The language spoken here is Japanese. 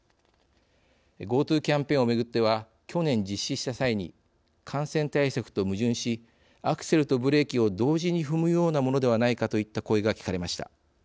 ＧｏＴｏキャンペーンをめぐっては去年、実施した際に「感染対策と矛盾しアクセルとブレーキを同時に踏むようなものではないか」といった声が聞かれました。